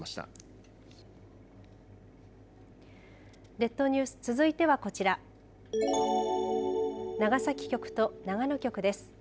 列島ニュース続いてはこちら長崎局と長野局です。